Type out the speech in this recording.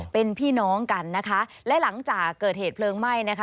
เป็นพี่น้องกันนะคะและหลังจากเกิดเหตุเพลิงไหม้นะคะ